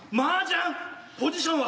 ポジションは？